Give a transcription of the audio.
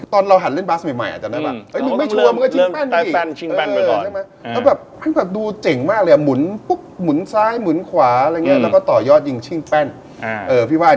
ตอนเราหนักเล่นซัมบราสเมียอเมื่อใหม่อาจจะนะมันไม่ชัวร์มันคือชิงแป้นละก่อน